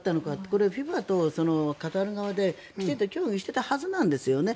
これ、ＦＩＦＡとカタール側できちんと協議していたはずなんですよね。